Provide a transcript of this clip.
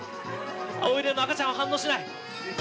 これでも赤ちゃんは反応しない。